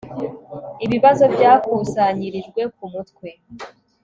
Ibibazo byakusanyirijwe kumutwe